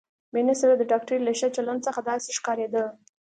مينې سره د ډاکټرې له ښه چلند څخه داسې ښکارېده.